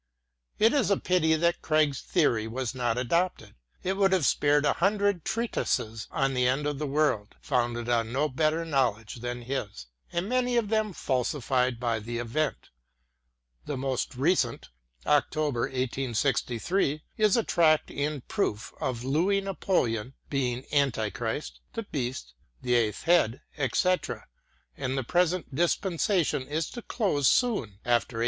It is a pity that Craig's theory was not adopted: it would have spared a hundred treatises on the end of the world, founded on no better knowledge than his, and many of them falsified by the event. The most recent (October, 1863) is a tract in proof of Louis Napoleon being Antichrist, the Beast, the eighth Head, etc.; and the present dispensation is to close soon after 1864.